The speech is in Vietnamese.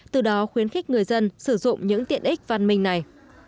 từ đó khuyến khích người dân sử dụng những tiện ích văn minh này